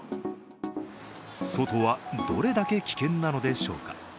外はどれだけ危険なのでしょうか。